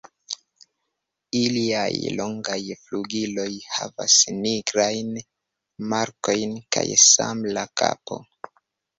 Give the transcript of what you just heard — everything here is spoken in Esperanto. Iliaj longaj flugiloj havas nigrajn markojn kaj same la kapo.